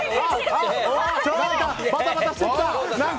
バタバタしてきた！